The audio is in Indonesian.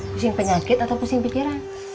pusing penyakit atau pusing pikiran